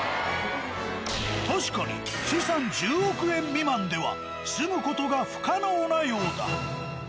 確かに資産１０億円未満では住む事が不可能なようだ。